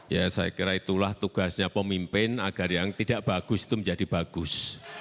ya saya kira itulah tugasnya pemimpin agar yang tidak bagus itu menjadi bagus